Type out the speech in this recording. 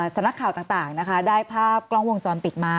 สำนักข่าวต่างนะคะได้ภาพกล้องวงจรปิดมา